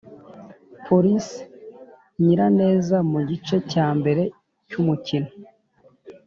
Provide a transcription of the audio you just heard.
police nyiraneza mu gice cya mbere cy’umukino